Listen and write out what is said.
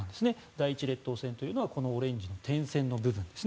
第一列島線というのはこのオレンジの点線の部分です。